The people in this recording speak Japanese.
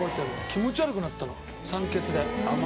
気持ち悪くなったの酸欠で。